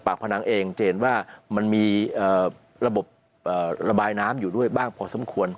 ผนังเองจะเห็นว่ามันมีระบบระบายน้ำอยู่ด้วยบ้างพอสมควร